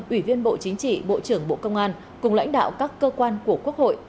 ủy viên bộ chính trị bộ trưởng bộ công an cùng lãnh đạo các cơ quan của quốc hội